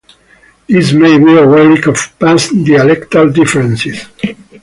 This may be a relic of past dialectal differences.